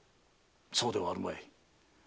そうではあるまい。